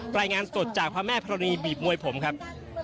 รายงานสดจากพระแม่ธรณีบีบมวยผมครับ